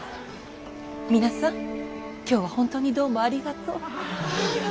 皆さん今日は本当にどうもありがとう。